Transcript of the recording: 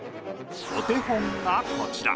お手本がこちら。